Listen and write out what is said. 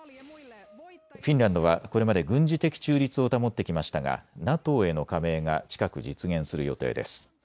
フィンランドはこれまで軍事的中立を保ってきましたがＮＡＴＯへの加盟が近く実現する予定です。